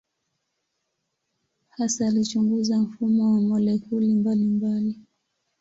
Hasa alichunguza mfumo wa molekuli mbalimbali.